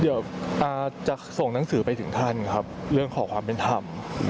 เดี๋ยวจะส่งหนังสือไปถึงท่านครับเรื่องขอความเป็นธรรม